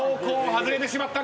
外れてしまった。